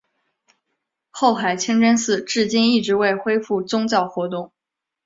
后海清真寺至今一直未恢复宗教活动。